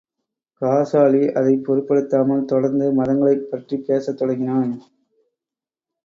காசாலி அதைப் பொருட்படுத்தாமல், தொடர்ந்து மதங்களைப் பற்றிப் பேசத் தொடங்கினான்.